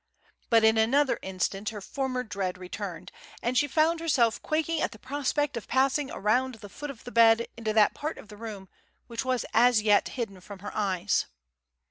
But in another instant her former dread returned, and she found herself quaking at the prospect of passing around the foot of the bed into that part of the room which was as yet hidden from her eyes.